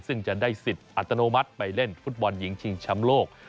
ซึ่งจะได้สิทธิ์อัตโนมัติไปเล่นฟุตบอลหญิงชิงช้ำโลก